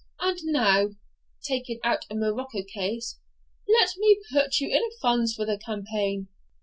And now (taking out a morocco case), let me put you in funds for the campaign.'